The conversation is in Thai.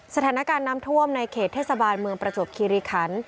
สถานการณ์น้ำท่วมในเขตเทศบาลเมืองประจวบคิริคัน